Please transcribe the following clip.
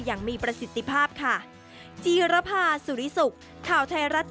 อย่างมีประสิทธิภาพค่ะ